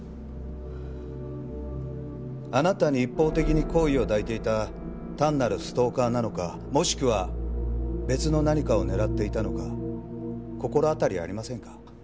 あなたに一方的に好意を抱いていた単なるストーカーなのかもしくは別の何かを狙っていたのか心当たりありませんか？